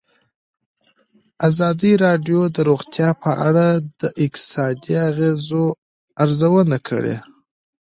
ازادي راډیو د روغتیا په اړه د اقتصادي اغېزو ارزونه کړې.